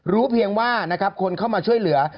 เพียงว่านะครับคนเข้ามาช่วยเหลือ